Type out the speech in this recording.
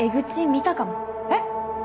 えっ？